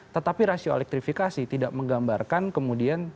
tetapi rasio elektrifikasi tidak menggambarkan kemudian